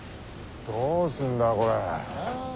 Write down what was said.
どうすんだこれ。